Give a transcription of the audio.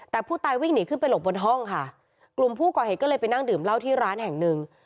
แต่ผู้ตายวิ่งหนีขึ้นไปหลบบนห้องค่ะกลุ่มผู้ก่อเหตุก็เลยไปนั่งดื่มเหล้าที่ร้านแห่งหนึ่ง